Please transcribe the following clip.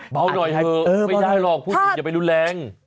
เบาหน่อยเผลอไม่ได้ลองพูดอีกจะไปรู้แรง